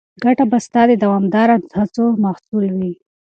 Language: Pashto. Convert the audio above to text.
ګټه به ستا د دوامداره هڅو محصول وي.